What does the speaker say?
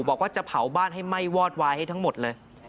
บอกว่าจะเผาบ้านให้ไหม้วอดวายให้ทั้งหมดเลย